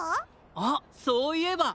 あっそういえば！